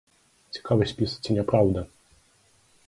Цікавы спіс, ці не праўда?